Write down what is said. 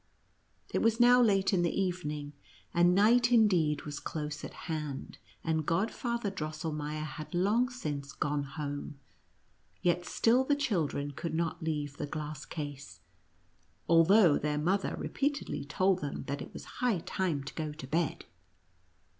It was now late in the evening, and night, ^ 'OSS incleecl, was close at hand, and Godfather Di elmeier had long since gone home, yet still the children could not leave the glass case, although their mother repeatedly told them that it was high time to go to bed.